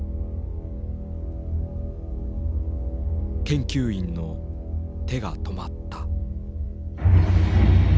研究員の手が止まった。